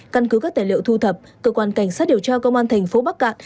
căn cứ các tài liệu thu thập cơ quan cảnh sát điều tra công an thành phố bắc cạn